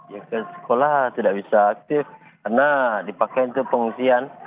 ya ke sekolah tidak bisa aktif karena dipakai untuk pengungsian